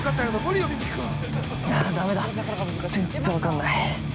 だめだ、全然分かんない。